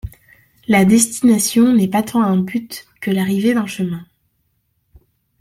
La destination n’est pas tant un but que l’arrivée d’un chemin.